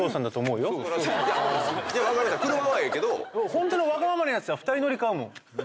ホントのわがままなやつ２人乗り買うもん。